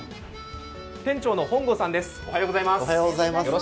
店長の本郷さんです。